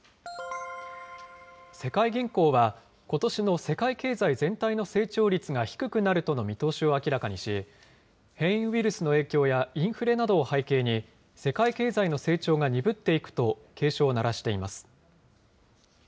世界銀行は、ことしの世界経済全体の成長率が低くなるとの見通しを明らかにし、変異ウイルスの影響やインフレなどを背景に、世界経済の成長が鈍っていくと警鐘を鳴らしています。